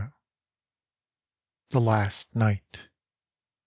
THE LAST NIGHT.